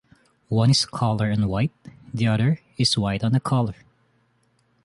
One is a color on white, the other is white on a color.